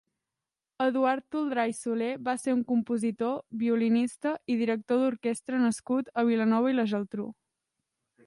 Eduard Toldrà i Soler va ser un compositor, violinista i director d'orquestra nascut a Vilanova i la Geltrú.